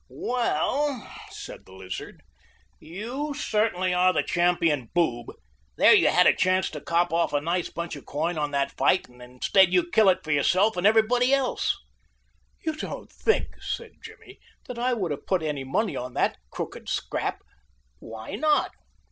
"Well," said the Lizard, "you certainly are the champion boob. There you had a chance to cop off a nice bunch of coin on that fight and instead you kill it for yourself and everybody else." "You don't think," said Jimmy, "that I would have put any money on that crooked scrap." "Why not?"